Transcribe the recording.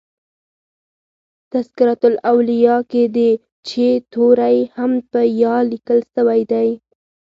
" تذکرةالاولیاء" کښي د "چي" توری هم په "ي" لیکل سوی دئ.